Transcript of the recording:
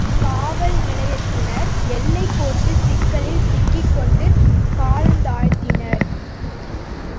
காவல் நிலையத்தினர் எல்லைக் கோட்டுச் சிக்கலில் சிக்கிக் கொண்டு காலந்தாழ்த்தினர்.